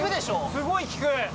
すごいきく。